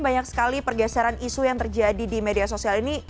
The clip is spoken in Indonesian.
banyak sekali pergeseran isu yang terjadi di media sosial ini